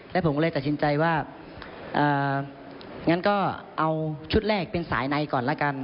แล้วผมก็เลยตัดสินใจว่างั้นก็เอาชุดแรกเป็นสายในก่อนละกัน